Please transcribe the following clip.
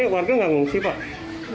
paling gede semalam enam puluh cm